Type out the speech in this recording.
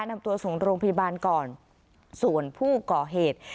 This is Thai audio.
นำตัวส่งโรงพยาบาลก่อนส่วนผู้ก่อเหตุ